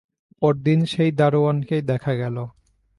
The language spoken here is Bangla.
পরদিন সেই দারোয়ানকে দেখা গেল না।